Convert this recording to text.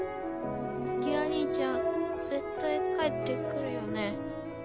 ギラ兄ちゃん絶対帰ってくるよね？